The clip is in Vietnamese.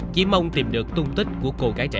chỉ mong tìm được tung tích của cô gái